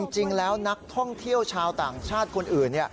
จริงแล้วนักท่องเที่ยวชาวต่างชาติคนอื่น